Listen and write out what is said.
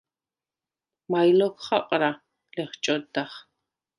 “მაჲ ლოქ ხაყრა?” ლეხჭოდდახ.